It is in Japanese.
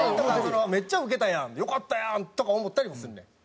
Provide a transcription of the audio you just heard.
めっちゃウケたやんよかったやんとか思ったりもするねん。